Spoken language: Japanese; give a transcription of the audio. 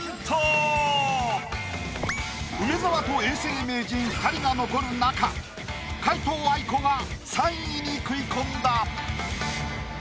梅沢と永世名人２人が残る中皆藤愛子が３位に食い込んだ。